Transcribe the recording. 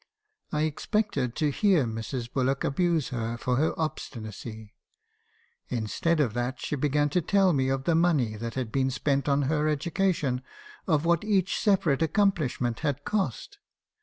I expected to hear Mrs. Bullock abuse her for her obstinacy. Instead of that, she began to tell me of the money that had been spent on her education; of what each se parate accomplishment had cost.